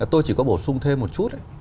tôi chỉ có bổ sung thêm một chút